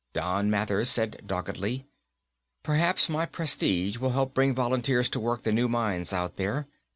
Don Mathers said doggedly, "Perhaps my prestige will help bring volunteers to work the new mines out there.